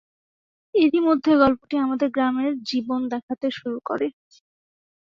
এরই মধ্যে গল্পটি আমাদের গ্রামের জীবন দেখাতে শুরু করে।